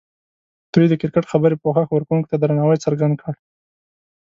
دوی د کرکټ خبري پوښښ ورکوونکو ته درناوی څرګند کړ.